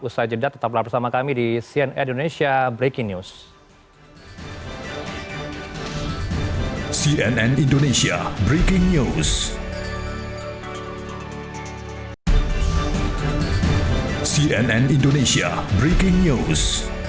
ustaz jeddah tetap berada bersama kami di cnn indonesia breaking news